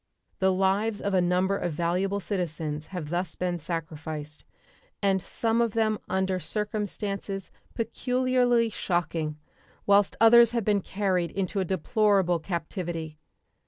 The lives of a number of valuable citizens have thus been sacrificed, and some of them under circumstances peculiarly shocking, whilst others have been carried into a deplorable captivity.